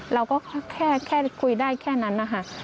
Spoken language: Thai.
เราก็แค่คุยได้แค่นั้นนะคะ